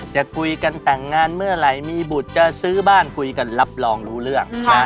จะคุยกันแต่งงานเมื่อไหร่มีบุตรจะซื้อบ้านคุยกันรับรองรู้เรื่อง